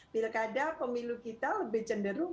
bila keadaan pemilu kita lebih cenderung